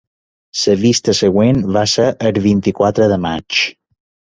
La vista següent va ser el vint-i-quatre de maig.